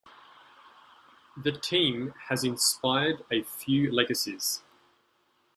The team has inspired a few legacies.